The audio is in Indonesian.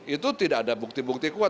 itu tidak ada bukti bukti kuat